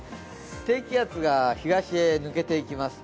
低気圧が抜けていきます。